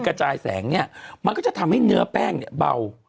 กระจายแสงเนี่ยมันก็จะทำให้เนื้อแป้งเนี่ยเบา